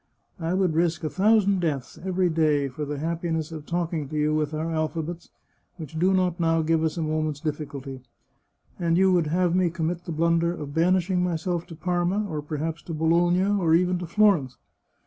" I would risk a thousand deaths, every day, for the happiness of talking to you with our alphabets, which do not now give us a moment's difficulty. And you would have me commit the blunder of banishing myself to Parma, or perhaps to Bologna, or even to Florence!